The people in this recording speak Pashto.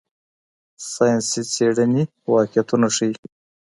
ساینسي څېړنې واقعیتونه ښيي.